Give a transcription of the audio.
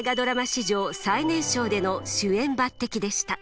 史上最年少での主演抜てきでした。